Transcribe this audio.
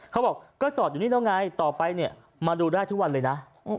เขาบอกก็จอดอยู่นี่แล้วไงต่อไปเนี่ยมาดูได้ทุกวันเลยนะ